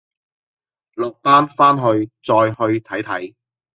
落班翻去再去睇睇